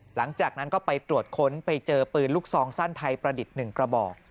หลังจากนั้นก็ไปตรวจค้นไปเจอปืนลูกซองสั้นไทยประดิษฐ์๑กระบอก